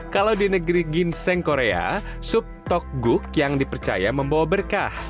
kalau di negeri ginseng korea sup tokguk yang dipercaya membawa berkah